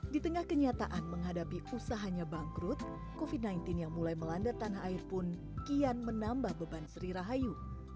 di tengah kenyataan menghadapi usahanya bangkrut covid sembilan belas yang mulai melanda tanah air pun kian menambah beban sri rahayu